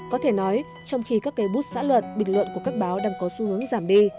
có thể nói trong khi các cây bút xã luận bình luận của các báo đang có xu hướng giảm đi